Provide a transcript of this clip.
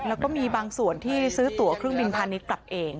แล้วก็มีบางส่วนที่ซื้อตัวเครื่องบินพาณิชย์กลับเอง